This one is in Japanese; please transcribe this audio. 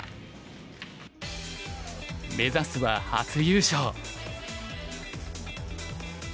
目指すは初優勝。